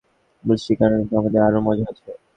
বৃষ্টির কারণে তো আমাদের, আরও মজা হয়েছে।